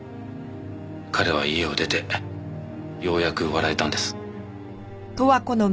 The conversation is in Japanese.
彼は家を出てようやく笑えたんです。